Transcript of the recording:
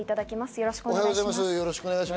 よろしくお願いします。